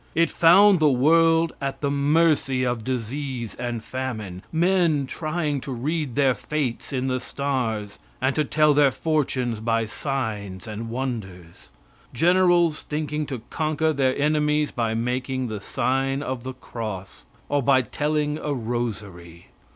It found the world at the mercy of disease and famine; men trying to read their fates in the stars, and to tell their fortunes by signs and wonders; generals thinking to conquer their enemies by making the sign of the cross, or by telling a rosary.